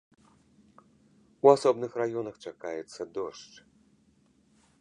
У асобных раёнах чакаецца дождж.